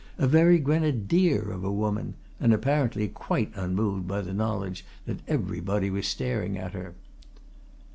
A very Grenadier of a woman! and apparently quite unmoved by the knowledge that everybody was staring at her.